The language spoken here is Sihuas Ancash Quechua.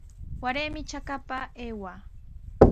Waraymi trakapa aywaa.